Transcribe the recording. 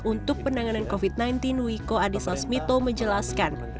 untuk penanganan covid sembilan belas wiko adhisa smito menjelaskan